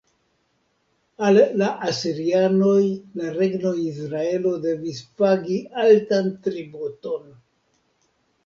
Al la asirianoj la regno Izraelo devis pagi altan tributon.